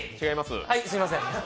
はい、すいません。